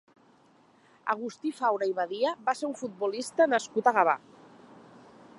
Agustí Faura i Badia va ser un futbolista nascut a Gavà.